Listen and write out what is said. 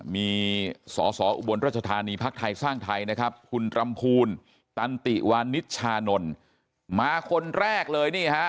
มีสอสออุบลรัชธานีพักไทยสร้างไทยนะครับคุณรำภูลตันติวานิชชานนท์มาคนแรกเลยนี่ฮะ